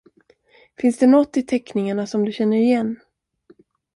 Finns det nåt i teckningarna som du känner igen?